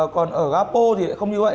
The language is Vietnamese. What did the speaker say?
còn ở gapo thì không như vậy